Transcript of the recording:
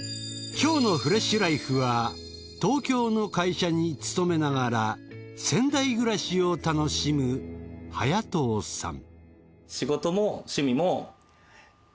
今日の「ＦｒｅｓｈＬｉｆｅ」は東京の会社に勤めながら仙台暮らしを楽しむ早藤さん。